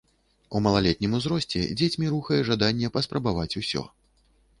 У малалетнім узросце дзецьмі рухае жаданне паспрабаваць усё.